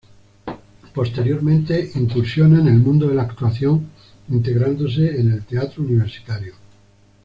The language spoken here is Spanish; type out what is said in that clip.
Posteriormente incursiona en el mundo de la actuación, integrándose al Teatro Universitario.